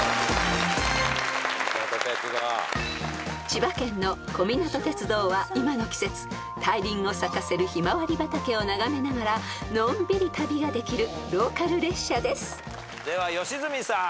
［千葉県の小湊鐵道は今の季節大輪を咲かせるひまわり畑を眺めながらのんびり旅ができるローカル列車です］では良純さん。